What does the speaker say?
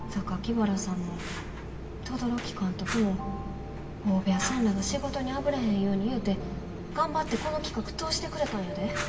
原さんも轟監督も大部屋さんらが仕事にあぶれへんようにいうて頑張ってこの企画通してくれたんやで。